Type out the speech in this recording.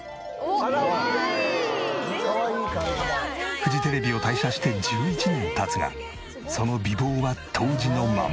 フジテレビを退社して１１年経つがその美貌は当時のまま。